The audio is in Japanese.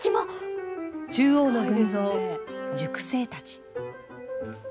中央の群像、塾生たち。